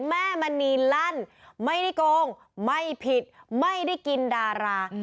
แม่มณีลั่นไม่ได้โกงไม่ผิดไม่ได้กินดารา